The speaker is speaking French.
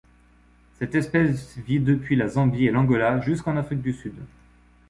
Cette espèce vit depuis la Zambie et l'Angola jusqu'en Afrique du Sud.